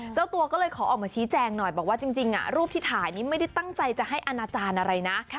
เจ้าตัวก็เลยขอออกมาชี้แจงหน่อยบอกว่าจริงรูปที่ถ่ายนี่ไม่ได้ตั้งใจจะให้อนาจารย์อะไรนะ